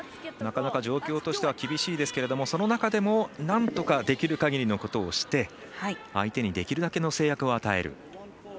なかなか状況としては厳しいですけれどもその中でもなんとかできるかぎりのことをして相手にできるだけの制約を与える。